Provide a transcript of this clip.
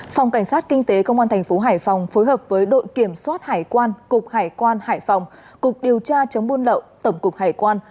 phòng cảnh sát kinh tế công an thành phố hải phòng phối hợp với đội kiểm soát hải quan cục hải quan hải phòng cục điều tra chống buôn lậu tổng cục hải quan